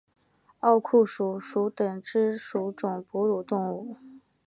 奥库鼠属等之数种哺乳动物。